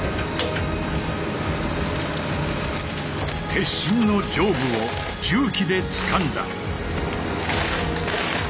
鉄心の上部を重機でつかんだ。